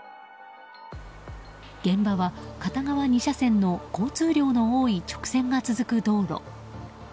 現場は片側２車線の交通量の多い直線が続く道路。